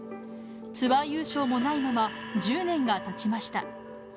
ツアー優勝もないまま、１０年がたちました。